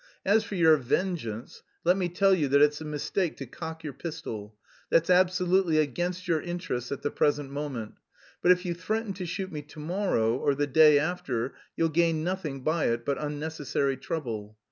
As for your vengeance, let me tell you that it's a mistake to cock your pistol: that's absolutely against your interests at the present moment. But if you threaten to shoot me to morrow, or the day after, you'll gain nothing by it but unnecessary trouble.